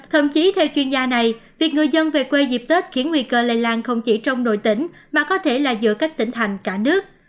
thậm chí theo chuyên gia này việc người dân về quê dịp tết khiến nguy cơ lây lan không chỉ trong nội tỉnh mà có thể là giữa các tỉnh thành cả nước